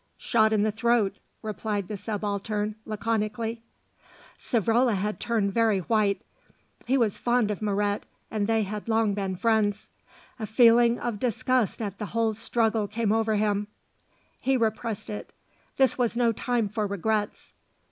"Shot in the throat," replied the Subaltern laconically. Savrola had turned very white; he was fond of Moret and they had long been friends. A feeling of disgust at the whole struggle came over him; he repressed it; this was no time for regrets.